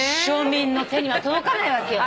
庶民の手には届かないわけよ。